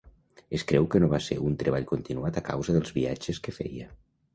Es creu que no va ser un treball continuat a causa dels viatges que feia.